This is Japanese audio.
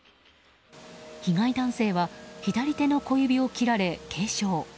被害男性は左手の小指を切られ軽傷。